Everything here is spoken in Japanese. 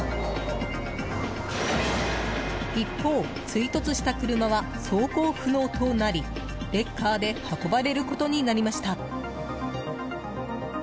一方、追突した車は走行不能となりレッカーで運ばれることになりました。